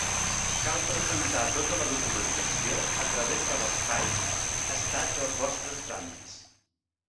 Cal presentar tota la documentació a través de l'espai Estat dels vostres tràmits.